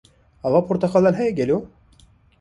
Ava porteqalan heye gelo?